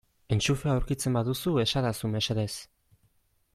Entxufea aurkitzen baduzu esadazu mesedez.